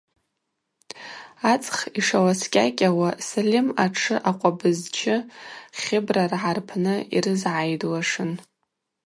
Ацӏх йшаласкӏьакӏьауа Сальым атшы акъвабызчы Хьыбраргӏа рпны йрызгӏайдуашын.